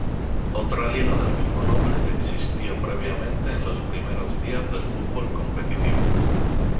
Otra liga del mismo nombre existió previamente en los primeros días del fútbol competitivo.